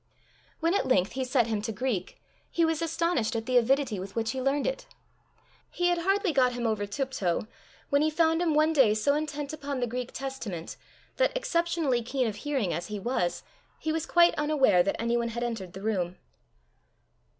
When at length he set him to Greek, he was astonished at the avidity with which he learned it! He had hardly got him over τύπτω, when he found him one day so intent upon the Greek Testament, that, exceptionally keen of hearing as he was, he was quite unaware that anyone had entered the room.